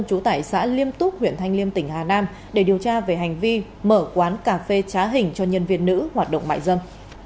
trú tại xã liêm túc huyện thanh liêm tỉnh hà nam để điều tra về hành vi mở quán cà phê trá hình cho nhân viên nữ hoạt động mại dâm